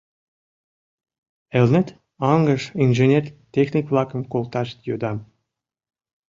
— Элнет аҥыш инженер, техник-влакым колташ йодам...